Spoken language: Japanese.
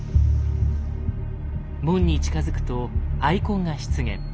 門に近づくとアイコンが出現。